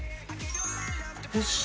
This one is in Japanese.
よし。